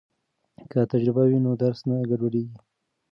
که تجربه وي نو درس نه ګډوډیږي.